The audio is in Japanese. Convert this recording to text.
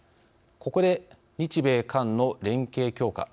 ここで、日米韓の連携強化